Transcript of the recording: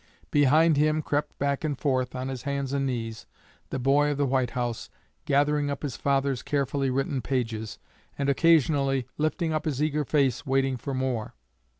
Behind him crept back and forth, on his hands and knees, the boy of the White House, gathering up his father's carefully written pages, and occasionally lifting up his eager face waiting for more.